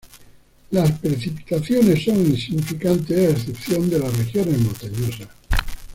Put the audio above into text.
Las precipitaciones son insignificantes, a excepción de las regiones montañosas.